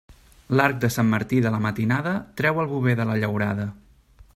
L'arc de Sant Martí de la matinada treu el bover de la llaurada.